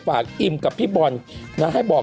อิมกับพี่บอลนะให้บอก